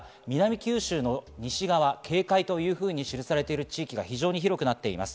九州の西側、警戒というふうに記されている地域が非常に広くなっています。